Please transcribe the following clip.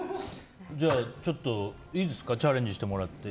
じゃあ、いいですかチャレンジしてもらって。